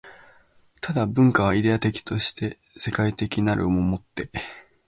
但、文化はイデヤ的として世界史的なるを以て